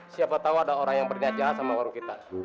siapa tau ada orang yang pernyataan sama warung kita